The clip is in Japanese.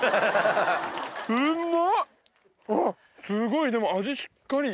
すごいでも味しっかり。